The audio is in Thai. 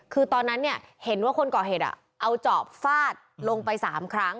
คือตอนนั้นเนี่ยเห็นว่าคนก่อเหตุเอาจอบฟาดลงไป๓ครั้ง